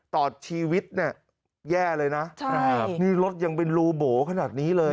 อดชีวิตเนี่ยแย่เลยนะนี่รถยังเป็นรูโบ๋ขนาดนี้เลย